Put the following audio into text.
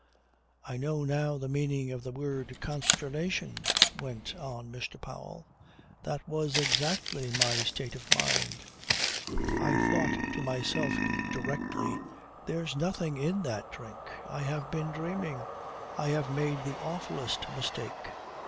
"I know now the meaning of the word 'Consternation,'" went on Mr. Powell. "That was exactly my state of mind. I thought to myself directly: There's nothing in that drink. I have been dreaming, I have made the awfulest mistake!